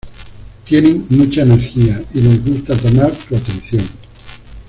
Tienen mucha energia y les gusta tomar tu atención.